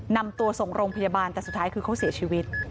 นำตัวส่งโรงพยาบาลแต่สุดท้ายคือเขาเสียชีวิต